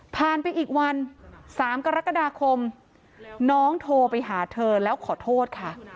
ไปอีกวัน๓กรกฎาคมน้องโทรไปหาเธอแล้วขอโทษค่ะ